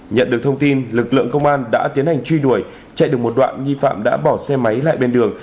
nhận được thông tin lực lượng công an đã tiến hành truy đuổi chạy được một đoạn nghi phạm đã bỏ xe máy lại bên đường